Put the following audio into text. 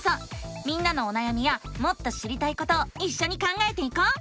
みんなのおなやみやもっと知りたいことをいっしょに考えていこう！